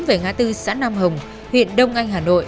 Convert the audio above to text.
về ngã tư xã nam hồng huyện đông anh hà nội